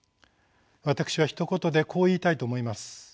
私はひと言でこう言いたいと思います。